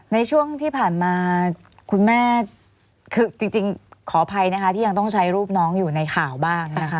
ในช่วงที่ผ่านมาคุณแม่คือจริงขออภัยนะคะที่ยังต้องใช้รูปน้องอยู่ในข่าวบ้างนะคะ